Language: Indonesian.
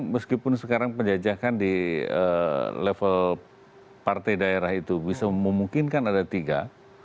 meskipun sekarang penjajakan di level partai daerah itu bisa memungkinkan ada tiga